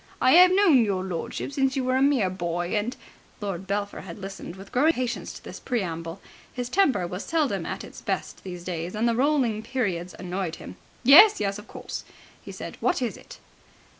I 'ave known your lordship since you were a mere boy, and ..." Lord Belpher had listened with growing impatience to this preamble. His temper was seldom at its best these days, and the rolling periods annoyed him. "Yes, yes, of course," he said. "What is it?"